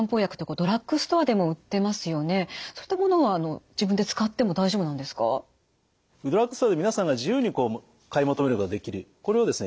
ドラッグストアで皆さんが自由に買い求めることができるこれをですね